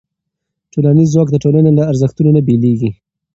ټولنیز ځواک د ټولنې له ارزښتونو نه بېلېږي.